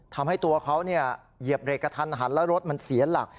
ทำให้ตัวเขาเหยียบเรกกระทันหันแล้วรถมันเสียหลัก